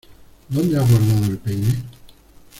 ¿Dónde has guardado el peine?